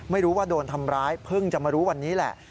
ไม่รู้ว่าโดนทำร้ายเพิ่งจะมารู้วันนี้แหละ